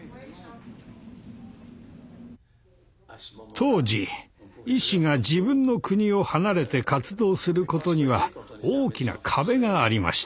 当時医師が自分の国を離れて活動することには大きな壁がありました。